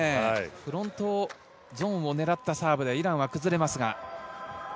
フロントゾーンを狙ったサーブでイランは崩れます。